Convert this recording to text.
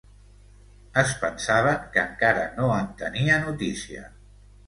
Es pensaven que encara no en tenia notícia...